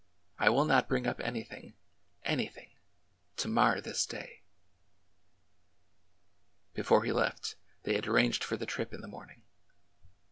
I will not bring up anything — anything— to mar this day !" Before he left they had arranged for the trip in the morning.